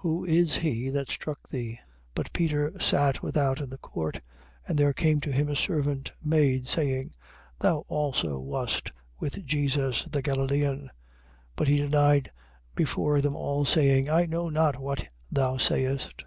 Who is he that struck thee? 26:69. But Peter sat without in the court. And there came to him a servant maid, saying: Thou also wast with Jesus the Galilean. 26:70. But he denied before them all, saying: I know not what thou sayest.